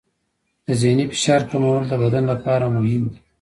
د ذهني فشار کمول د بدن لپاره مهم دي.